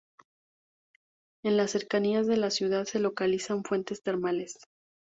En las cercanías de la ciudad se localizan fuentes termales.